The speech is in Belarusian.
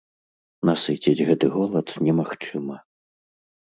Насыціць гэты голад немагчыма.